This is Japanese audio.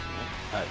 はい。